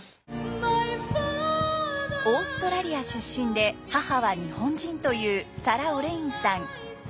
オーストラリア出身で母は日本人というサラ・オレインさん。